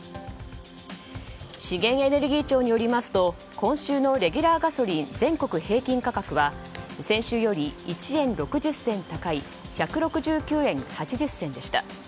資源エネルギー庁によりますと今週のレギュラーガソリン全国平均価格は先週より１円６０銭高い１６９円８０銭でした。